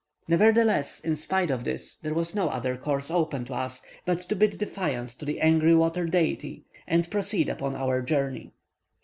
Nevertheless, in spite of this, there was no other course open to us but to bid defiance to the angry water deity, and proceed upon our journey.